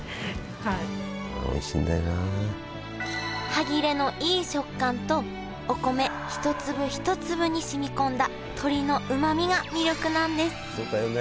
歯切れのいい食感とお米一粒一粒に染み込んだ鶏のうまみが魅力なんですそうだよね。